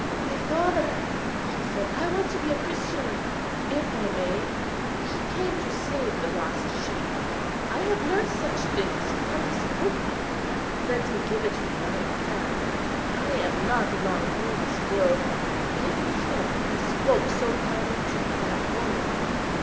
"My father," she said, "I want to be a Christian, if I may; He came to save the lost sheep. I have learnt such things from this book—let me give it you while I can. I am not long for this world. Give me Him who spoke so kindly to that woman.